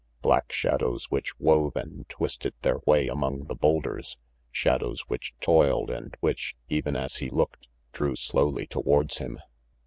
Black shadows which wove and twisted their way among the boulders, shadows which toiled, and which, even as he looked, drew slowly towards him.